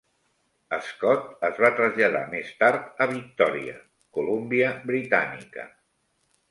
Scott es va traslladar més tard a Victoria, Columbia Britànica.